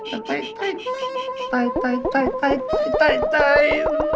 อะไรพะนี่